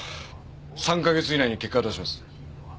３か月以内に結果を出します。